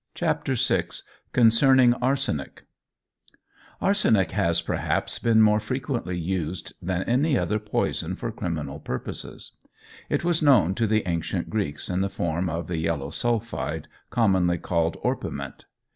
CHAPTER VI CONCERNING ARSENIC ARSENIC has, perhaps, been more frequently used than any other poison for criminal purposes. It was known to the ancient Greeks in the form of the yellow sulphide, commonly called orpiment.